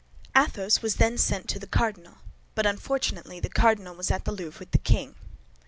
Athos was then sent to the cardinal; but unfortunately the cardinal was at the Louvre with the king.